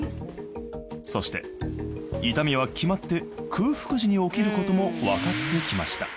そして痛みは決まって空腹時に起きることもわかってきました